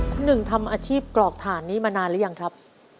คุณหนึ่งทำอาชีพกรอกฐานนี้มานานหรือยังครับ